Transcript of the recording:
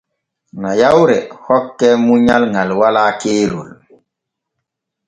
Nayawre hokke munyal ŋal walaa keerol.